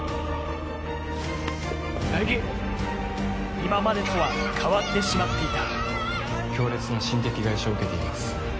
今までとは変わってしまっていた強烈な心的外傷を受けています